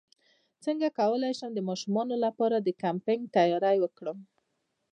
څنګه کولی شم د ماشومانو لپاره د کیمپینګ تیاری وکړم